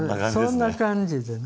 そんな感じでね。